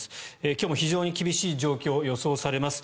今日も非常に厳しい状況が予想されます。